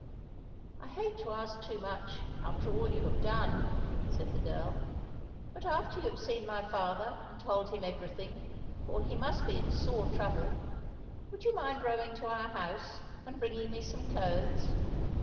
"I hate to ask too much, after all you have done," said the girl, "but after you have seen my father and told him everything, for he must be in sore trouble, would you mind rowing to our house and bringing me some clothes?